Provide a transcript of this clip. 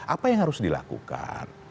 apa yang harus dilakukan